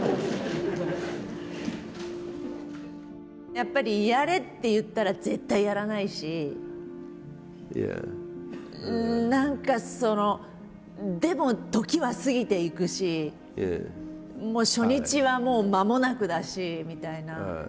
やっぱり「やれ」って言ったら絶対やらないしでも時は過ぎていくし初日はもうまもなくだしみたいな。